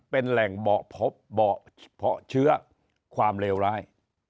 เป็นแหล่งเบาะพบเบาะเพาะเชื้อความเลวร้าย